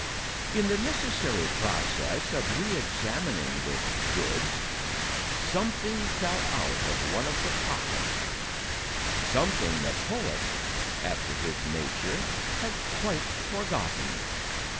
In the necessary process of re examining the "goods," something fell out of one of the pockets, something the poet, after his nature, had quite forgotten.